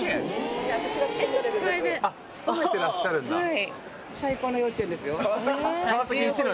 はい。